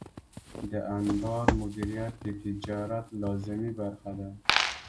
د انبار مدیریت د تجارت لازمي برخه ده.